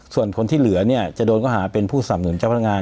ส่วนผลที่เหลือเนี่ยจะโดนก็หาเป็นผู้สำนุนเจ้าพนักงาน